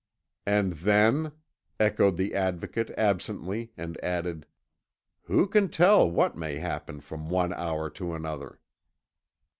"And then?" echoed the Advocate absently, and added: "Who can tell what may happen from one hour to another?"